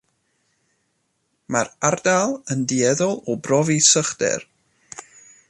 Mae'r ardal yn dueddol o brofi sychder.